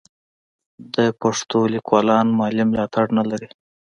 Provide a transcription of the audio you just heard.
د پښتو لیکوالان مالي ملاتړ نه لري.